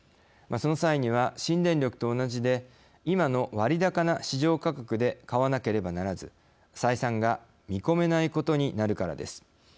その際には、新電力と同じで今の割高な市場価格で買わなければならず採算が見込めないことになるからです。